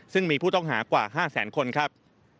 ซึ่งมีผู้ต้องหากว่า๕แสนคนครับ